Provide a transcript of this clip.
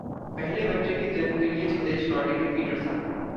पहले बच्चे के जन्म के लिये स्वदेश लौटेंगे पीटरसन